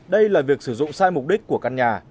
đây là việc sử dụng sai mục đích của căn nhà